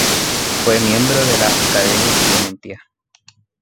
Fue miembro de la Accademia Clementina.